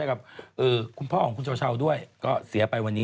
ไม่เป็นอะไรเลยนะ